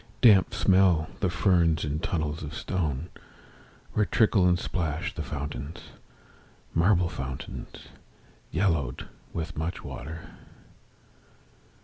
Damp smell the ferns in tunnels of stone, Where trickle and plash the fountains, Marble fountains, yellowed with much water.